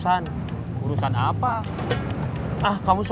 harus ada aku juga